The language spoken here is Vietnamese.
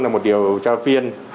là một điều tra viên